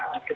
ya itu kan